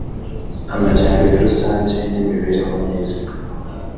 amajyambere rusange n’ imibereho myiza